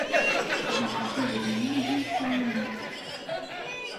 Tejmeɛ-d idrimen d imeqranen.